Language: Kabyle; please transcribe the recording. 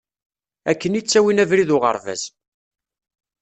Akken i ttawin abrid n uɣerbaz.